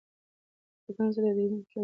د خپګان ضد او د وینې فشار درمل مهم دي.